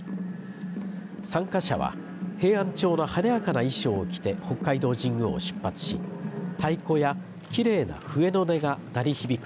参加者は平安朝の華やかな衣装を着て北海道神宮を出発し太鼓や、きれいな笛の音が鳴り響く